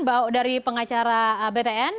bahwa dari pengacara btn